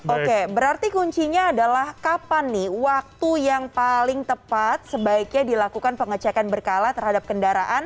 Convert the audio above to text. oke berarti kuncinya adalah kapan nih waktu yang paling tepat sebaiknya dilakukan pengecekan berkala terhadap kendaraan